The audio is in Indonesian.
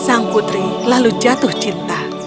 sang putri lalu jatuh cinta